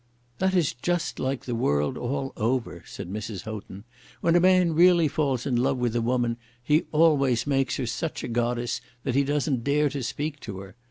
"That is just like the world all over," said Mrs. Houghton. "When a man really falls in love with a woman he always makes her such a goddess that he doesn't dare to speak to her.